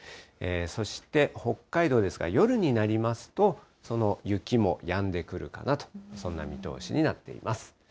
そして北海道ですが、夜になりますと、その雪もやんでくるかなと、そんな見通しになっています。